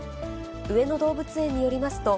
上野動物園によりますと、